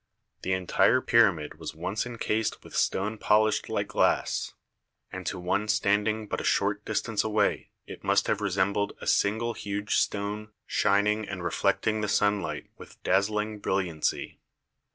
The entire pyramid was once encased with stone polished like glass, and to one standing but a short distance away it must have resembled a single huge stone shining and reflecting the sunlight with dazzling brilliancy.